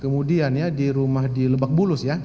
kemudian ya di rumah di lebak bulus ya